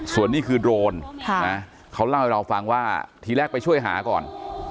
ส่วนนี้คือโดรนเขาเล่าให้เราฟังว่าทีแรกไปช่วยหาก่อน